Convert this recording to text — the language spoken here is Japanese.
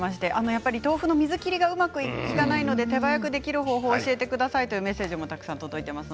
豆腐の水切りがうまくいかないので手早くできる方法教えてくださいというメッセージがたくさん届いています。